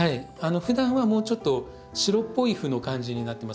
ふだんはもうちょっと白っぽい斑の感じになってます。